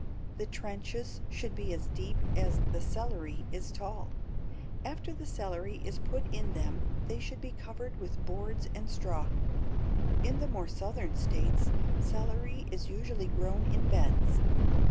The trenches should be as deep as the celery is tall, and after the celery is put in them they should be covered with boards and straw. In the more southern states, celery is usually grown in beds.